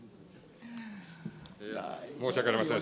申し訳ありません。